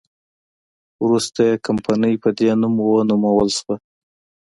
وروسته یې کمپنۍ په دې نوم ونومول شوه.